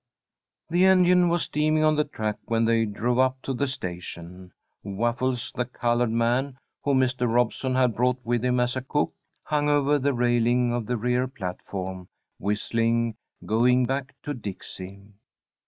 The engine was steaming on the track when they drove up to the station. Waffles, the coloured man whom Mr. Robeson had brought with him as cook, hung over the railing of the rear platform, whistling "Going Back to Dixie."